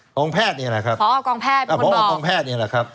ของแพทย์นี่แหละครับพอกองแพทย์ครับพอกองแพทย์นี่แหละครับ